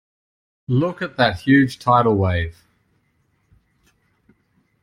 Look at that huge tidal wave.